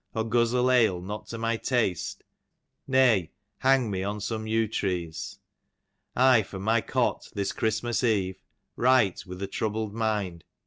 Or guzzle ale not to my taste? Way, hang me on some yew trees. I from my cot, this Christmas eve, Write with a troubled mind